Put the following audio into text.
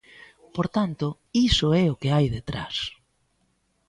Por tanto, iso é o que hai detrás.